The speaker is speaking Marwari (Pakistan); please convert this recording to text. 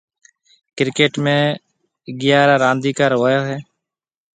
ڪرڪيٽ ۾ اگھيَََاريَ رانديڪر هوئي هيَ۔